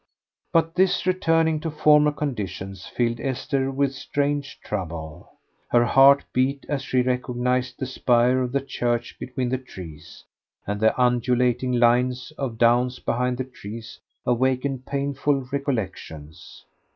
But this returning to former conditions filled Esther with strange trouble. Her heart beat as she recognised the spire of the church between the trees, and the undulating line of downs behind the trees awakened painful recollections.